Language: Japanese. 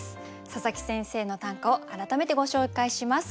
佐佐木先生の短歌を改めてご紹介します。